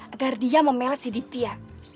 agar dia memelet si ditia